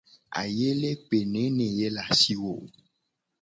Ayele pe nene ye le asi wo ?